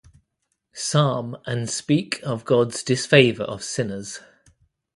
Psalm and speak of God's disfavor of sinners.